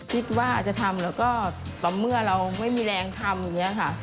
คิดว่าจะทำแล้วก็ต่อเมื่อเราไม่มีแรงทำอย่างนี้ค่ะ